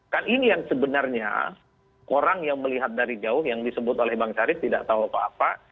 kan ini yang sebenarnya orang yang melihat dari jauh yang disebut oleh bang syarif tidak tahu apa apa